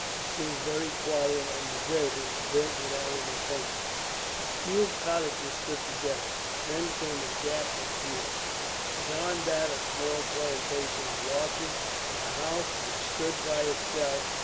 It seemed very quiet and deserted, and built without any plan. A few cottages stood together, then came a gap of fields, beyond that a small plantation of larches and a house which stood by itself.